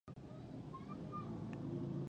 زه له دوستانو سره په ادب خبري کوم.